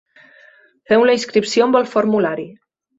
Feu la inscripció amb el formulari.